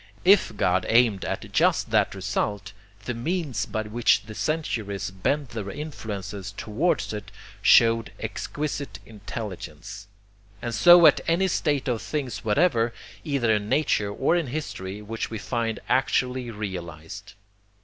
IF God aimed at just that result, the means by which the centuries bent their influences towards it, showed exquisite intelligence. And so of any state of things whatever, either in nature or in history, which we find actually realized.